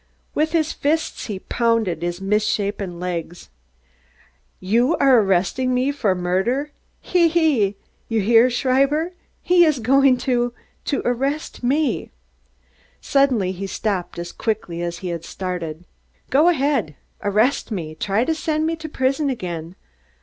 With his fists he pounded his misshapen legs. "You arrest me for his murder? Hee hee! You hear, Schreiber? He is going to to arrest me!" Suddenly he stopped, as quickly as he had started. "Go ahead! Arrest me! Try to send me to prison again.